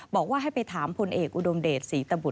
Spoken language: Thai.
บอกว่าให้ไปถามพลเอกอุดมเดชศรีตบุต